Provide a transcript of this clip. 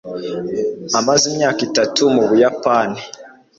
Amaze imyaka itatu mu Buyapani.